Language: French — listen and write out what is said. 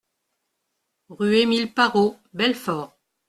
Rue Émile Parrot, Belfort